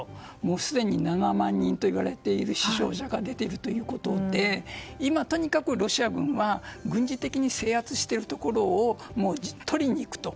すでに７万人といわれている死傷者が出ているということで今、とにかくロシア軍は軍事的に征圧しているところを取りに行くと。